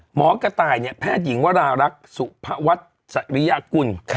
หมอกระต่ายเนี่ยแพทย์หญิงวรารักษ์สุภวัฒน์สริยากุล